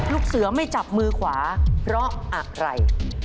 ลูกเสือไม่จับมือขวาเพราะอะไร